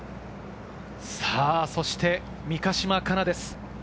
そして三ヶ島かなです。